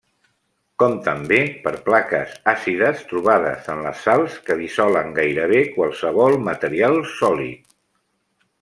Com també per plaques àcides trobades en les sals que dissolen gairebé qualsevol material sòlid.